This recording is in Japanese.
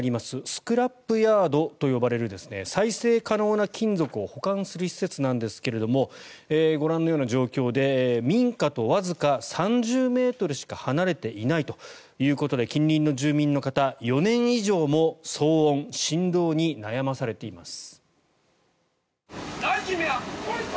スクラップヤードと呼ばれる再生可能な金属を保管する施設なんですがご覧のような状況で民家とわずか３０ｍしか離れていないということで近隣の住民の方４年以上も騒音、振動に悩まされています。